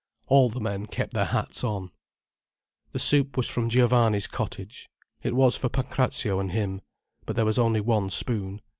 All the men kept their hats on. The soup was from Giovanni's cottage. It was for Pancrazio and him. But there was only one spoon.